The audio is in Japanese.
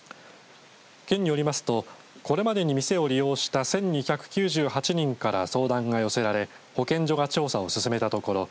県によりますとこれまでに店を利用した１２９８人から相談が寄せられ保健所が調査を進めたところ